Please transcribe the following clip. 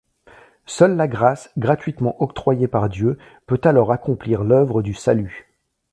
Seule la grâce, gratuitement octroyée par Dieu, peut alors accomplir l'œuvre du salut.